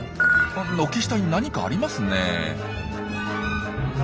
軒下に何かありますねえ。